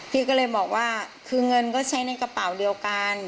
พี่ก็เลยบอกว่าคือเงินก็ใช้ในกระเป๋าเดียวกัน